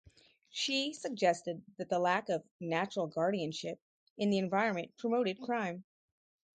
She suggested that the lack of "natural guardianship" in the environment promoted crime.